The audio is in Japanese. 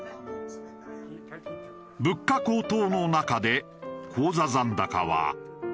物価高騰の中で口座残高は。